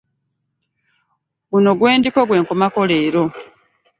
Guno gwe ndiko gwe nkomako leero.